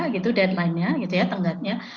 gitu deadline nya gitu ya tenggatnya